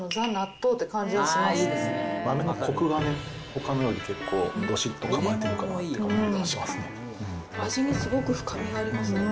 豆のこくがね、ほかのより結構どしっと構えてる感じがしますね。